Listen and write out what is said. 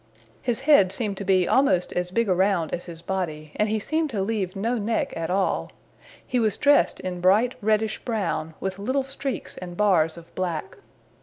His head seemed to be almost as big around as his body, and he seemed to leave no neck at all. He was dressed in bright reddish brown, with little streaks and bars of black.